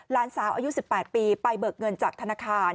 หลานสาวอายุ๑๘ปีไปเบิกเงินจากธนาคาร